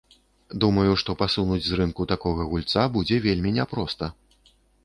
Думаю, што пасунуць з рынку такога гульца будзе вельмі няпроста.